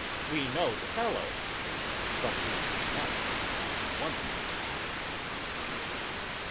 We know the fellow, but we do not know the woman.